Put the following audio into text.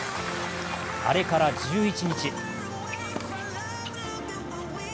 あれから１１日。